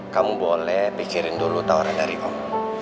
kamu boleh pikirin dulu tawaran dari kamu